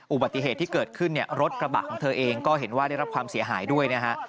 อุบัติเหตุที่เกิดขึ้นเนี่ยรถกระบะของเธอเองก็เห็นว่าได้รับความเสียหายด้วยนะฮะ